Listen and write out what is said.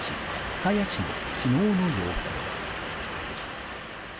深谷市の昨日の様子です。